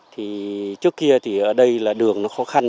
thì trước kia thì ở đây là đường nó khó khăn